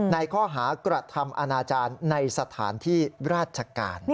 ในข้อหากระทำอนาจารย์ในสถานที่ราชการ